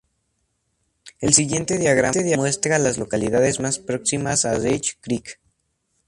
El siguiente diagrama muestra a las localidades más próximas a Rich Creek.